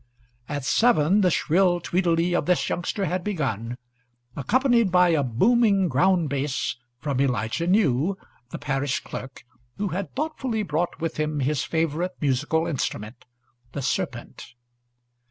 At seven the shrill "tweedledee" of this youngster had begun, accompanied by a booming ground bass from Elijah New, the parish clerk, who had thoughtfully brought with him his favourite musical instrument, the serpent.